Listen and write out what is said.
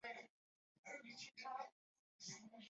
而吉亚奇诺很清楚该如何把这件事做好。